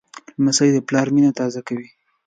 لمسی د پلار مینه تازه کوي.